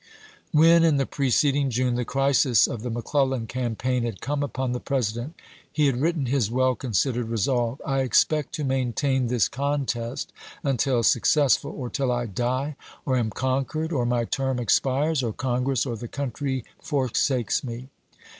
When, in the preceding June, the crisis of the McClellan campaign had come upon the President, he had written his well considered resolve :" I ex pect to maintain this contest until successful, or till I die, or am conquered, or my term expires, or Congi ess or the country forsakes me."